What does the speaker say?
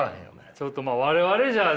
ちょっとまあ我々じゃね。